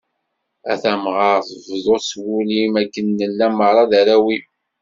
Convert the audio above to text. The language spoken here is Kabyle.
A tamɣart, bḍu s wul-im, akken nella merra d arraw-im.